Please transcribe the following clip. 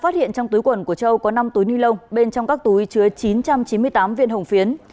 phát hiện trong túi quần của châu có năm túi ni lông bên trong các túi chứa chín trăm chín mươi tám viên hồng phiến